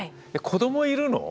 子どもいるの？